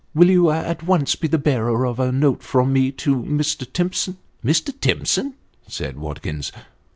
Will you at once be the bearer of a note from me to to Mr. Timson ?"" Mr. Timson !" said Watkins.